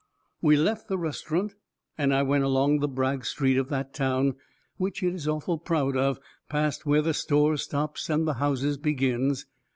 We left the restaurant and went along the brag street of that town, which it is awful proud of, past where the stores stops and the houses begins.